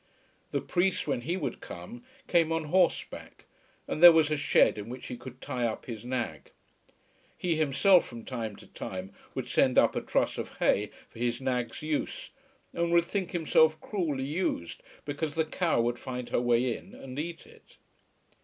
The priest, when he would come, came on horseback, and there was a shed in which he could tie up his nag. He himself from time to time would send up a truss of hay for his nag's use, and would think himself cruelly used because the cow would find her way in and eat it.